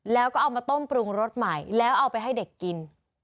แล้วก็เอามาต้มปรุงรสใหม่แล้วเอาไปให้เด็กกิน